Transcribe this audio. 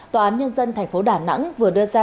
tòa án nhân dân tp đà nẵng vừa đưa ra